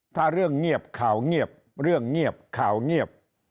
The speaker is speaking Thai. ถ้าเรื่องเงียบข่าวเงียบเรื่องเงียบข่าวเงียบ